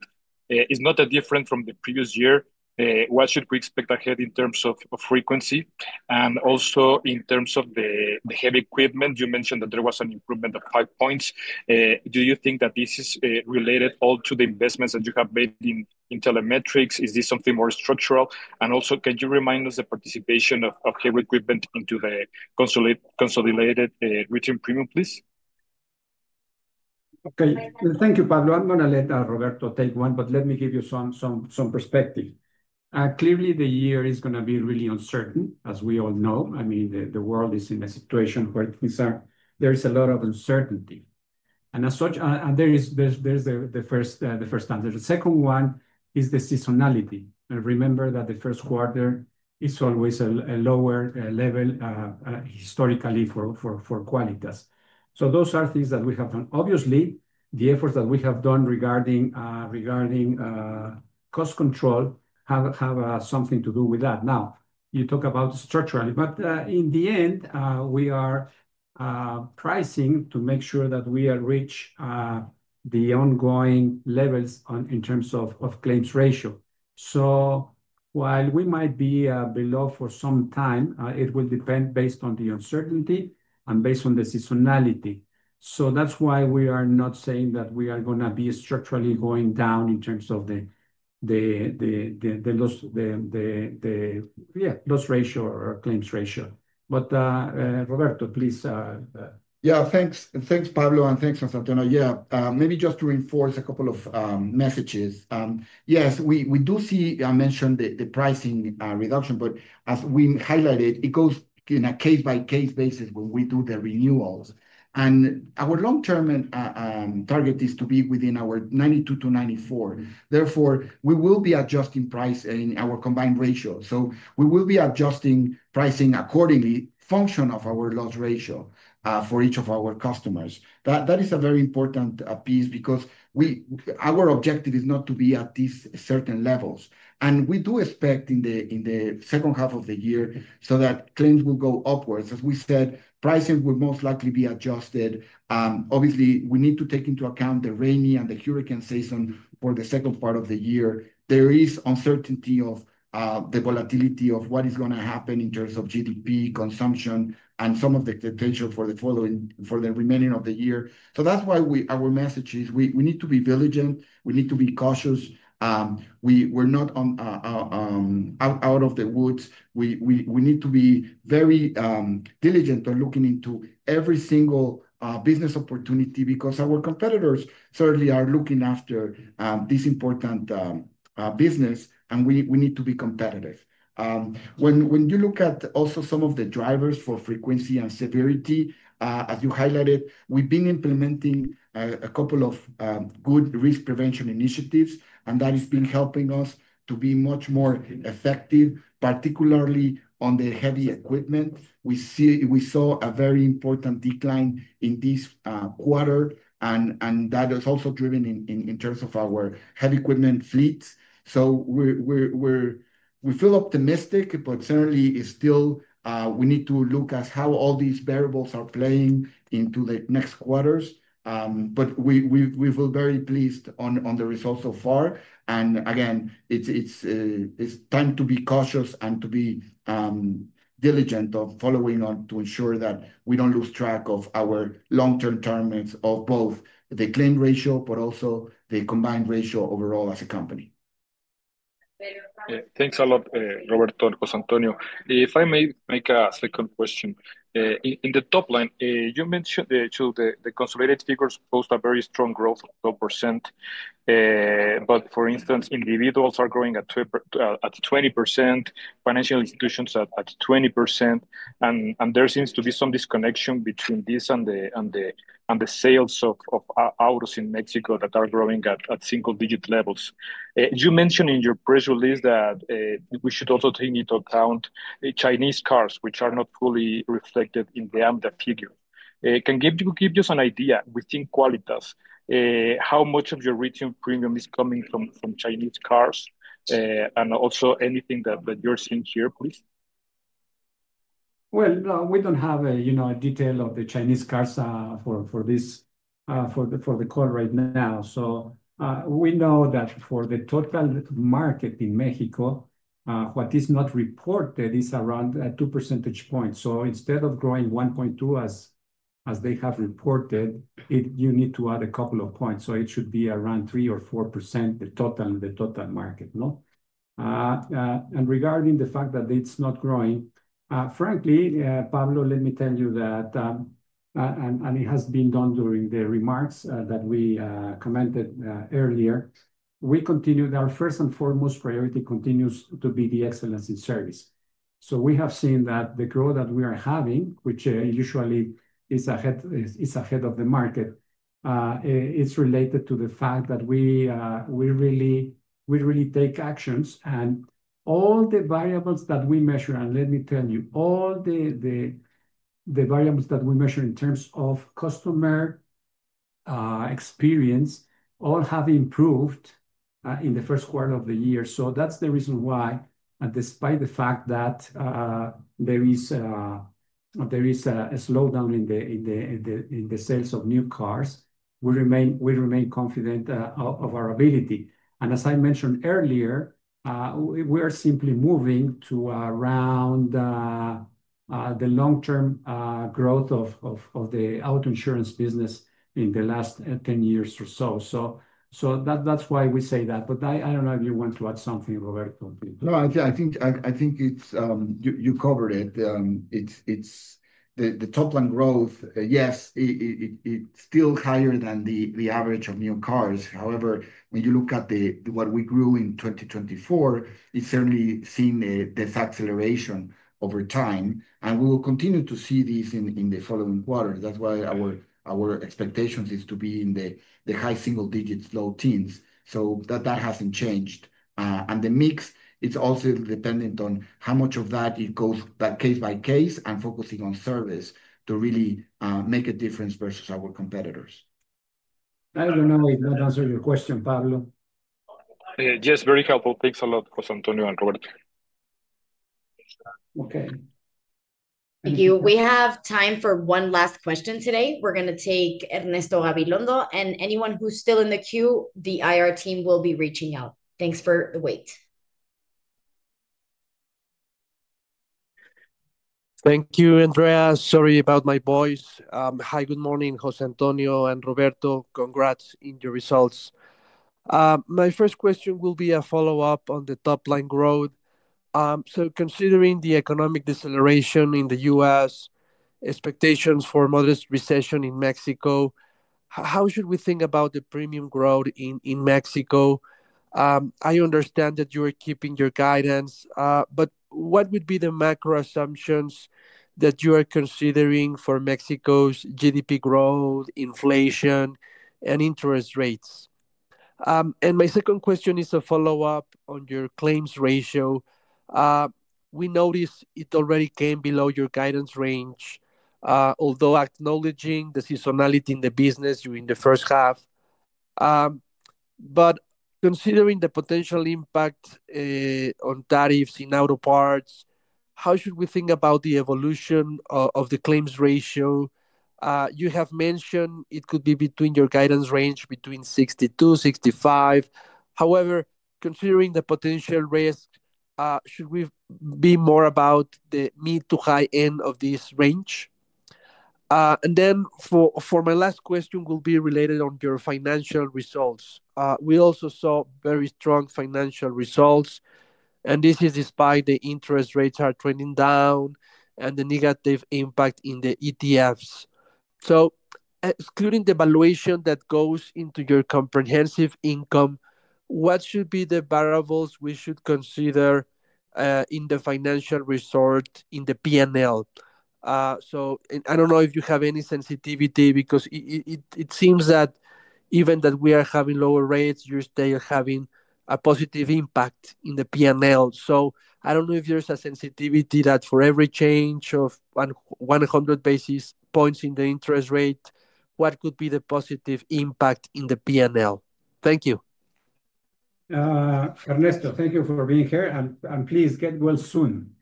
is not that different from the previous year. What should we expect ahead in terms of frequency? Also, in terms of the heavy equipment, you mentioned that there was an improvement of five points. Do you think that this is related all to the investments that you have made in telematics? Is this something more structural? Also, can you remind us the participation of heavy equipment into the consolidated return premium, please? Okay. Thank you, Pablo. I'm going to let Roberto take one, but let me give you some perspective. Clearly, the year is going to be really uncertain, as we all know. I mean, the world is in a situation where there is a lot of uncertainty. As such, there's the first answer. The second one is the seasonality. Remember that the first quarter is always a lower level historically for Qualitas. Those are things that we have done. Obviously, the efforts that we have done regarding cost control have something to do with that. You talk about structurally, but in the end, we are pricing to make sure that we reach the ongoing levels in terms of claims ratio. While we might be below for some time, it will depend based on the uncertainty and based on the seasonality. That is why we are not saying that we are going to be structurally going down in terms of the, yeah, loss ratio or claims ratio. Roberto, please. Yeah, thanks. Thanks, Pablo, and thanks, José Antonio. Maybe just to reinforce a couple of messages. Yes, we do see I mentioned the pricing reduction, but as we highlighted, it goes in a case-by-case basis when we do the renewals. Our long-term target is to be within our 92-94. Therefore, we will be adjusting price in our combined ratio. We will be adjusting pricing accordingly function of our loss ratio for each of our customers. That is a very important piece because our objective is not to be at these certain levels. We do expect in the second half of the year so that claims will go upwards. As we said, pricing will most likely be adjusted. Obviously, we need to take into account the rainy and the hurricane season for the second part of the year. There is uncertainty of the volatility of what is going to happen in terms of GDP consumption and some of the potential for the remaining of the year. That is why our message is we need to be diligent. We need to be cautious. We are not out of the woods. We need to be very diligent on looking into every single business opportunity because our competitors certainly are looking after this important business, and we need to be competitive. When you look at also some of the drivers for frequency and severity, as you highlighted, we have been implementing a couple of good risk prevention initiatives, and that has been helping us to be much more effective, particularly on the heavy equipment. We saw a very important decline in this quarter, and that is also driven in terms of our heavy equipment fleets. We feel optimistic, but certainly, still, we need to look at how all these variables are playing into the next quarters. We feel very pleased on the results so far. Again, it is time to be cautious and to be diligent of following on to ensure that we do not lose track of our long-term targets of both the claim ratio, but also the combined ratio overall as a company. Thanks a lot, Roberto and José Antonio. If I may make a second question. In the top line, you mentioned the consolidated figures post a very strong growth of 12%. For instance, individuals are growing at 20%, financial institutions at 20%. There seems to be some disconnection between this and the sales of autos in Mexico that are growing at single-digit levels. You mentioned in your press release that we should also take into account Chinese cars, which are not fully reflected in the AMDA figure. Can you give us an idea within Qualitas, how much of your return premium is coming from Chinese cars? And also anything that you're seeing here, please. We do not have a detail of the Chinese cars for the call right now. We know that for the total market in Mexico, what is not reported is around 2 percentage points. Instead of growing 1.2% as they have reported, you need to add a couple of points. It should be around 3%-4% for the total market. Regarding the fact that it's not growing, frankly, Pablo, let me tell you that, and it has been done during the remarks that we commented earlier, we continued our first and foremost priority continues to be the excellence in service. We have seen that the growth that we are having, which usually is ahead of the market, is related to the fact that we really take actions. All the variables that we measure, and let me tell you, all the variables that we measure in terms of customer experience all have improved in the first quarter of the year. That's the reason why, despite the fact that there is a slowdown in the sales of new cars, we remain confident of our ability. As I mentioned earlier, we are simply moving to around the long-term growth of the auto insurance business in the last 10 years or so. That is why we say that. I do not know if you want to add something, Roberto. No, I think you covered it. The top line growth, yes, it is still higher than the average of new cars. However, when you look at what we grew in 2024, it is certainly seen this acceleration over time. We will continue to see this in the following quarter. That is why our expectation is to be in the high single-digits, low teens. That has not changed. The mix is also dependent on how much of that it goes case by case and focusing on service to really make a difference versus our competitors. I do not know if that answered your question, Pablo. Yes, very helpful. Thanks a lot, José Antonio and Roberto. Okay. Thank you. We have time for one last question today. We're going to take Ernesto Gabilondo. Anyone who's still in the queue, the IR team will be reaching out. Thanks for the wait. Thank you, Andrea. Sorry about my voice. Hi, good morning, José Antonio and Roberto. Congrats on your results. My first question will be a follow-up on the top line growth. Considering the economic deceleration in the U.S., expectations for modest recession in Mexico, how should we think about the premium growth in Mexico? I understand that you are keeping your guidance, but what would be the macro assumptions that you are considering for Mexico's GDP growth, inflation, and interest rates? My second question is a follow-up on your claims ratio. We noticed it already came below your guidance range, although acknowledging the seasonality in the business during the first half. Considering the potential impact on tariffs in auto parts, how should we think about the evolution of the claims ratio? You have mentioned it could be between your guidance range between 62%-65%. However, considering the potential risk, should we be more about the mid to high end of this range? For my last question, it will be related on your financial results. We also saw very strong financial results. This is despite the interest rates are trending down and the negative impact in the ETFs. Excluding the valuation that goes into your comprehensive income, what should be the variables we should consider in the financial resort in the P&L? I do not know if you have any sensitivity because it seems that even that we are having lower rates, you are still having a positive impact in the P&L. I do not know if there is a sensitivity that for every change of 100 basis points in the interest rate, what could be the positive impact in the P&L? Thank you. Ernesto, thank you for being here. Please get well soon.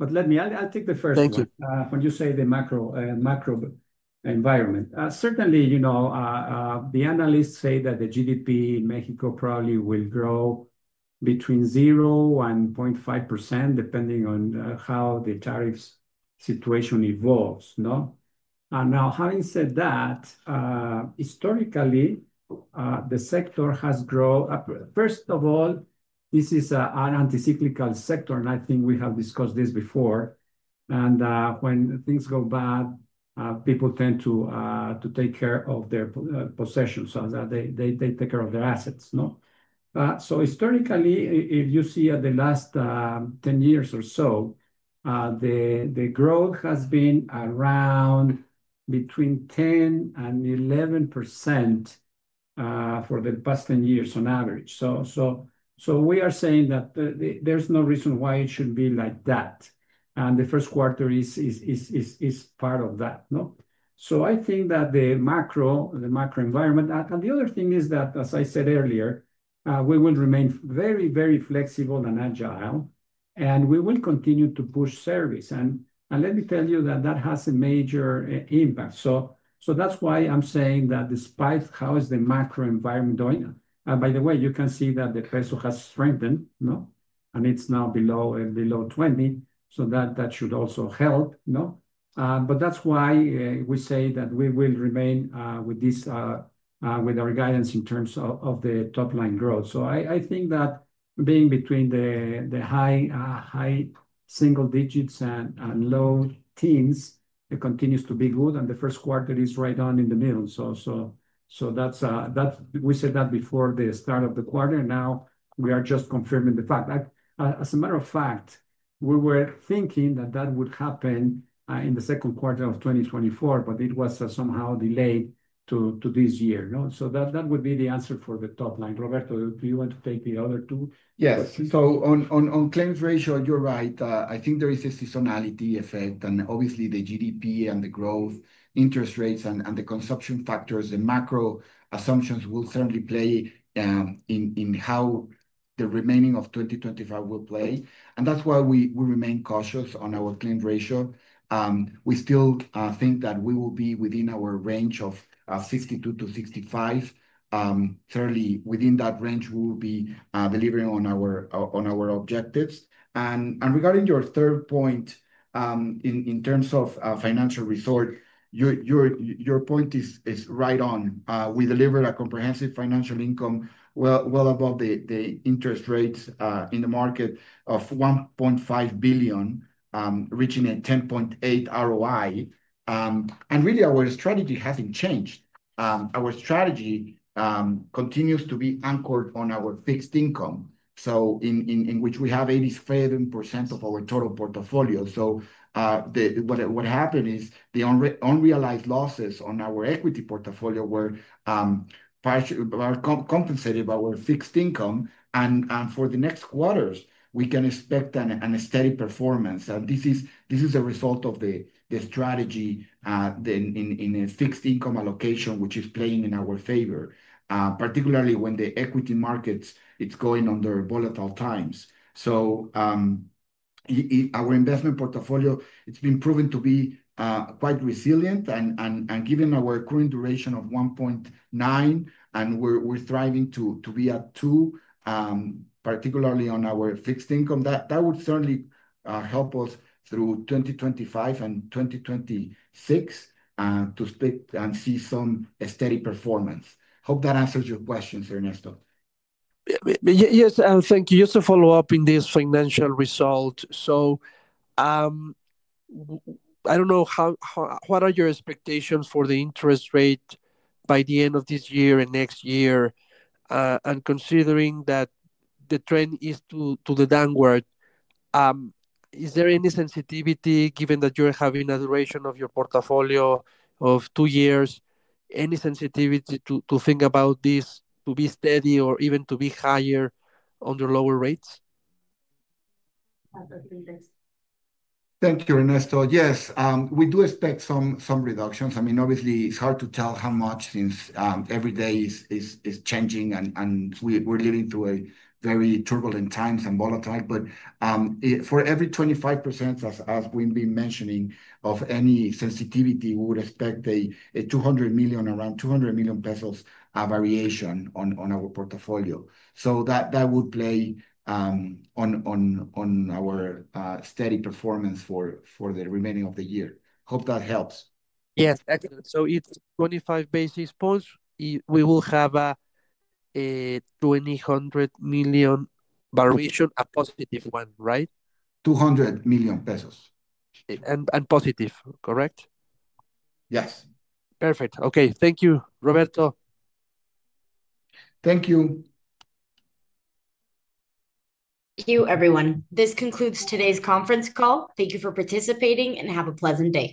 Thank you. Let me, I will take the first one when you say the macro environment. Certainly, the analysts say that the GDP in Mexico probably will grow between 0 and 0.5% depending on how the tariffs situation evolves. Now, having said that, historically, the sector has grown. First of all, this is an anti-cyclical sector, and I think we have discussed this before. When things go bad, people tend to take care of their possessions so that they take care of their assets. Historically, if you see at the last 10 years or so, the growth has been around between 10% and 11% for the past 10 years on average. We are saying that there is no reason why it should be like that. The first quarter is part of that. I think that the macro environment, and the other thing is that, as I said earlier, we will remain very, very flexible and agile. We will continue to push service. Let me tell you that that has a major impact. That is why I am saying that despite how the macro environment is doing, by the way, you can see that the peso has strengthened. It is now below 20, so that should also help. That is why we say that we will remain with our guidance in terms of the top line growth. I think that being between the high single digits and low teens continues to be good. The first quarter is right on in the middle. We said that before the start of the quarter. Now, we are just confirming the fact. As a matter of fact, we were thinking that would happen in the second quarter of 2024, but it was somehow delayed to this year. That would be the answer for the top line. Roberto, do you want to take the other two? Yes. On claims ratio, you are right. I think there is a seasonality effect. Obviously, the GDP and the growth, interest rates, and the consumption factors, the macro assumptions will certainly play in how the remaining of 2025 will play. That is why we remain cautious on our claim ratio. We still think that we will be within our range of 52%-65%. Certainly, within that range, we will be delivering on our objectives. Regarding your third point in terms of financial result, your point is right on. We deliver a comprehensive financial income well above the interest rates in the market of 1.5 billion, reaching a 10.8% ROI. Really, our strategy has not changed. Our strategy continues to be anchored on our fixed income, in which we have 87% of our total portfolio. What happened is the unrealized losses on our equity portfolio were compensated by our fixed income. For the next quarters, we can expect an aesthetic performance. This is a result of the strategy in a fixed income allocation, which is playing in our favor, particularly when the equity markets, it's going under volatile times. Our investment portfolio, it's been proven to be quite resilient. Given our current duration of 1.9, and we're striving to be at 2, particularly on our fixed income, that would certainly help us through 2025 and 2026 to speak and see some steady performance. Hope that answers your questions, Ernesto. Yes, and thank you. Just to follow up in this financial result. I don't know what are your expectations for the interest rate by the end of this year and next year. Considering that the trend is to the downward, is there any sensitivity given that you're having a duration of your portfolio of two years, any sensitivity to think about this to be steady or even to be higher under lower rates? Thank you, Ernesto. Yes, we do expect some reductions. I mean, obviously, it's hard to tell how much since every day is changing and we're living through very turbulent times and volatile. For every 25 basis points, as we've been mentioning, of any sensitivity, we would expect a 200 million, around 200 million pesos variation on our portfolio. That would play on our steady performance for the remaining of the year. Hope that helps. Yes, excellent. It is 25 basis points. We will have a 200 million variation, a positive one, right? 200 million pesos. And positive, correct? Yes. Perfect. Okay. Thank you, Roberto. Thank you. Thank you, everyone. This concludes today's conference call. Thank you for participating and have a pleasant day.